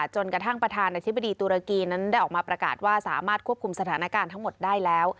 จนกระทั่งประธานาธิบดีตุรกีนั้นได้ออกมาประกาศว่าสามารถควบคุมสถานการณ์ทั้งหมดได้แล้ว